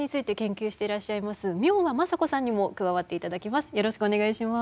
明和政子さんにも加わっていただきます。